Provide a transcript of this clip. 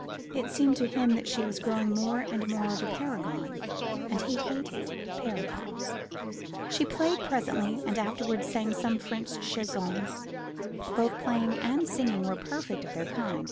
It seemed to him that she was growing more and more of a paragon; and he hated paragons. She played presently, and afterwards sang some French chansons. Both playing and singing were perfect of their kind.